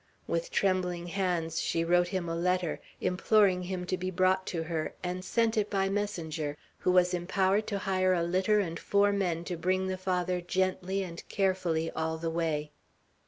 With trembling hands she wrote him a letter, imploring him to be brought to her, and sent it by messenger, who was empowered to hire a litter and four men to bring the Father gently and carefully all the way.